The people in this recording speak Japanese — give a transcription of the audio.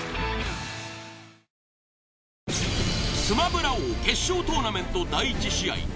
スマブラ王決勝トーナメント第１試合。